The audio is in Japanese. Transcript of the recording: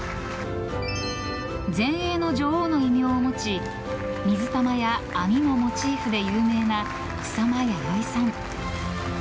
前衛の女王の異名を持ち水玉や網のモチーフで有名な草間彌生さん。